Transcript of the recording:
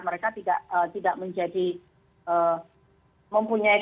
mereka tidak menjadi mempunyai